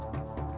hai kenyat bother